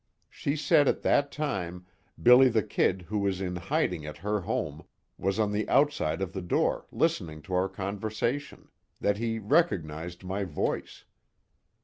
She said at that time, "Billy the Kid," who was in hiding at her home, was on the inside of the door listening to our conversation. That he recognized my voice.